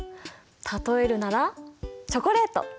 例えるならチョコレート。